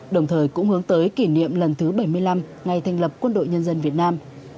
đồng thời cũng hướng tới kỷ niệm lần thứ bảy mươi năm ngày thành lập quân đội nhân dân việt nam